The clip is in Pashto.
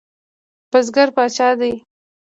بزګر پاچا دی؟